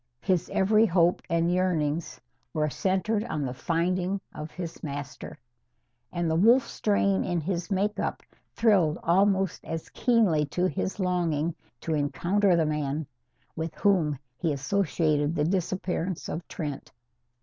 His every hope and yearning were centred on the finding of his master. And the wolf strain in his make up thrilled almost as keenly to his longing to encounter the men with whom he associated the disappearance of Trent.